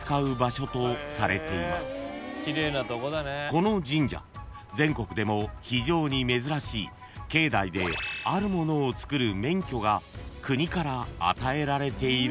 ［この神社全国でも非常に珍しい境内であるものをつくる免許が国から与えられているんですが］